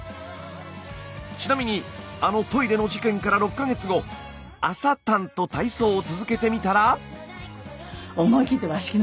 ちなみにあのトイレの事件から６か月後「朝たん」と体操を続けてみたら。